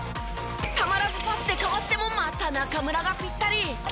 たまらずパスでかわしてもまた中村がぴったり。